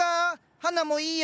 花もいいよ。